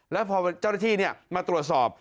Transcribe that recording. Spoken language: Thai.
แล้วพอเจ้าหน้าที่มาตรวจสอบ